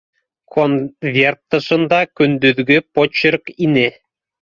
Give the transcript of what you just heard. Конверт тышында көндөҙгө почерк ине